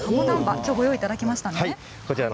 きょうご用意いただきましたね。